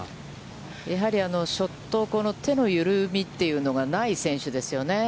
やはりショット後の手の緩みというのが、ない選手ですよね。